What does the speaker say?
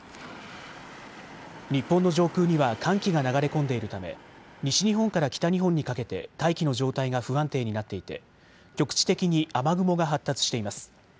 日本の上空には寒気が流れ込んでいるため、西日本から北日本にかけて大気の状態が不安定になっていて局地的に雨雲が発達しています。